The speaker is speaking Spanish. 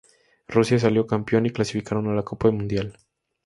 Rusia salió campeón y clasificaron a la Copa Mundial.